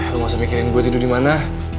lo gak usah mikirin gue tidur dimana